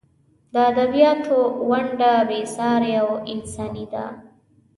د ادبیاتو ونډه بې سارې او انساني ده.